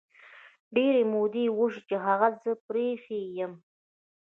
ډیري مودې وشوی چې هغه زه پری ایښي یمه